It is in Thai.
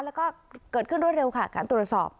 แล้วก็เกิดขึ้นรวดเร็วค่ะการตรวจสอบ